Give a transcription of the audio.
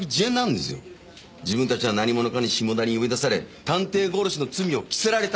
自分たちは何者かに下田に呼び出され探偵殺しの罪を着せられた。